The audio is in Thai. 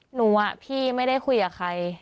หนูพี่ไม่ได้คุยกับใคร